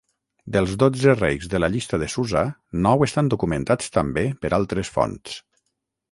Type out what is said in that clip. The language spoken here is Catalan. Dels dotze reis de la llista de Susa, nou estan documentats també per altres fonts.